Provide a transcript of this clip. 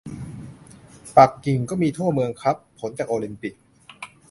ปักกิ่งก็มีทั่วเมืองครับ ผลจากโอลิมปิก